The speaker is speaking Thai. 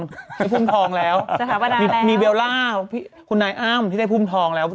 ได้ภูมิทองแล้วมีเบลล่าคุณไอ้อ้ามที่ได้ภูมิทองแล้ว